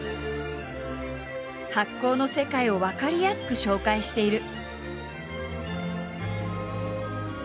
発酵の世界を分かりやすく紹介している。